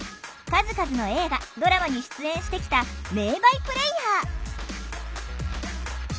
数々の映画ドラマに出演してきた名バイプレーヤー。